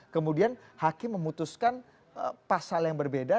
kemudian hakim memutuskan pasal yang berbeda